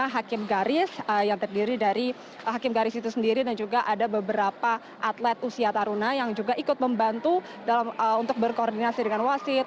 lima hakim garis yang terdiri dari hakim garis itu sendiri dan juga ada beberapa atlet usia taruna yang juga ikut membantu untuk berkoordinasi dengan wasit